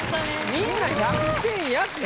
みんな１００点やって。